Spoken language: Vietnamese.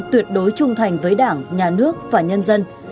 tuyệt đối trung thành với đảng nhà nước và nhân dân